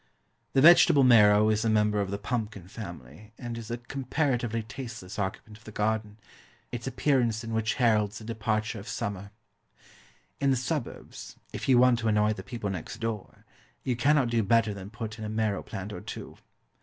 The VEGETABLE MARROW is a member of the pumpkin family and is a comparatively tasteless occupant of the garden, its appearance in which heralds the departure of summer. In the suburbs, if you want to annoy the people next door, you cannot do better than put in a marrow plant or two.